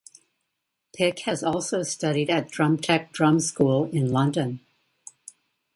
Pick has also studied at Drumtech drum school in London.